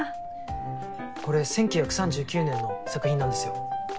これ１９３９年の作品なんですよ。